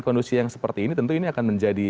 kondisi yang seperti ini tentu ini akan menjadi